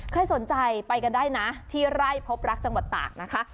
ถ้าสนใจไปกันได้นะที่ไลร์พบรักตรงศาฐกับต่างนะคะ